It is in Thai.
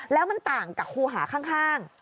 แล้วมันต่างกับครูหาข้าง